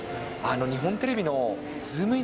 日本テレビのズームイン！！